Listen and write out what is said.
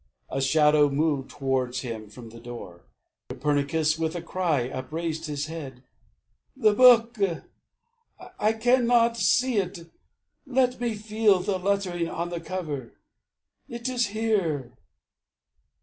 A shadow moved towards him from the door. Copernicus, with a cry, upraised his head. "The book, I cannot see it, let me feel The lettering on the cover. It is here!